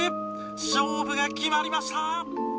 勝負が決まりました！